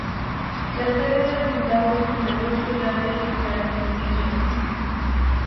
La sede del condado y su mayor ciudad es Gainesville.